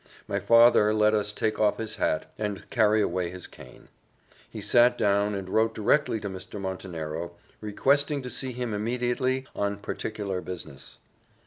My father let us take off his hat, and carry away his cane. He sat down and wrote directly to Mr. Montenero, requesting to see him immediately, on particular business.